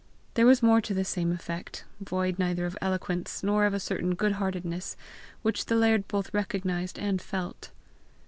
There was more to the same effect, void neither of eloquence nor of a certain good heartedness, which the laird both recognized and felt.